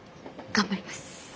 頑張ります。